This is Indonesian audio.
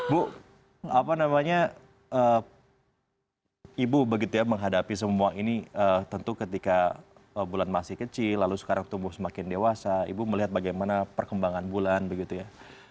bu apa namanya ibu begitu ya menghadapi semua ini tentu ketika bulan masih kecil lalu sekarang tumbuh semakin dewasa ibu melihat bagaimana perkembangan bulan begitu ya